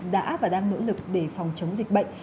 đã và đang nỗ lực để phòng chống dịch bệnh